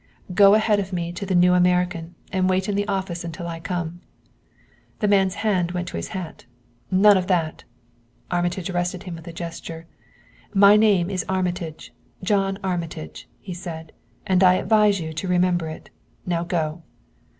"Go ahead of me to the New American and wait in the office until I come." The man's hand went to his hat. "None of that!" Armitage arrested him with a gesture. "My name is Armitage, John Armitage," he said. "I advise you to remember it. Now go!"